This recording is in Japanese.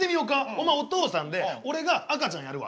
お前お父さんで俺が赤ちゃんやるわ。